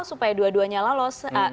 supaya dua duanya lalos